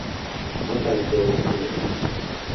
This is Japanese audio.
あなたに協力する